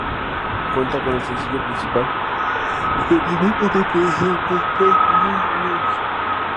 Cuenta con el sencillo principal del mismo nombre producido por Park Jin-young.